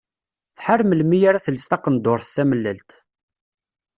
Tḥar melmi ara tels taqendurt tamellalt.